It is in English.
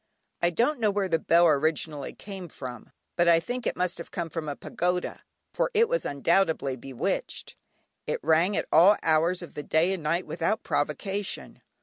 I don't know where the bell originally came from, but I think it must have come from a pagoda, for it was undoubtedly bewitched. It rang at all hours of the day and night without provocation.